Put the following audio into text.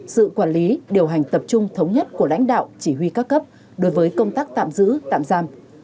sự quản lý điều hành tập trung thống nhất của lãnh đạo chỉ huy các cấp đối với công tác tạm giữ tạm giam